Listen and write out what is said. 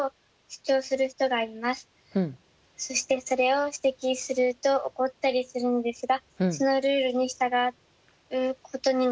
そしてそれを指摘すると怒ったりするんですがそのルールに従うことに納得できません。